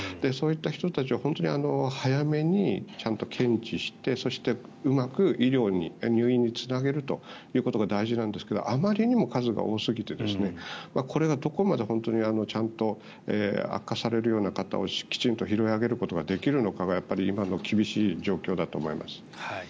そういった人たちを本当に早めにちゃんと検知してそして、うまく医療入院につなげるということが大事なんですがあまりにも数が多すぎてこれがどこまでちゃんと悪化されるような方をきちんと拾い上げることができるのかが今の厳しい状況だと思います。